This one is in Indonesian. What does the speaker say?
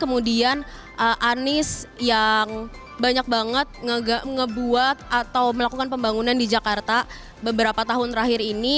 kemudian anies yang banyak banget ngebuat atau melakukan pembangunan di jakarta beberapa tahun terakhir ini